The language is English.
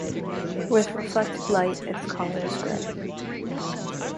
With reflected light its color is grey.